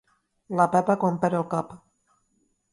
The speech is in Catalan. La Pepa quan perd el cap.